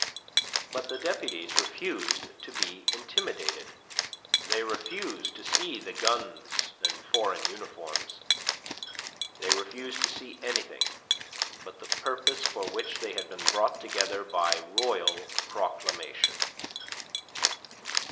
But the deputies refused to be intimidated; they refused to see the guns and foreign uniforms; they refused to see anything but the purpose for which they had been brought together by royal proclamation.